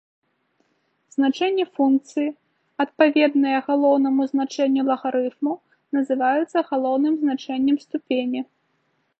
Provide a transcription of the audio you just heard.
Значэнне функцыі, адпаведнае галоўнаму значэнню лагарыфму, называецца галоўным значэннем ступені.